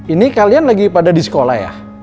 ini kalian lagi pada di sekolah ya